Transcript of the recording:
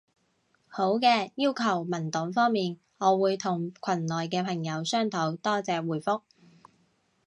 好嘅，要求文檔方面，我會同群內嘅朋友商討。多謝回覆